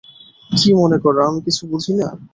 কী মনে করো আমি কিছু বুঝি না?